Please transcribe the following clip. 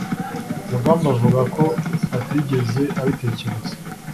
rugamba avuga ko atigeze abitekereza